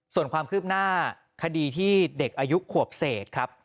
ส่วนความคืบหน้าคดีที่เด็กอายุขวบเศษครับ